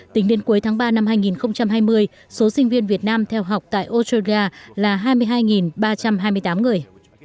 tính đến cuối tháng ba năm hai nghìn hai mươi số sinh viên việt nam theo học tại australia là hai mươi hai ba trăm hai mươi tám người